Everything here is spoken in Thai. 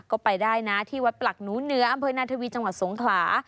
ก็ไปได้นะที่วัดปลักหนูเหนืออำเภอนาธวีจังหวัดสงขลา